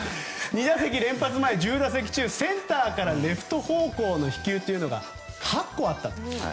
２打席連発前、１０打席中センターからレフト方向の飛球というのが８個あったんです。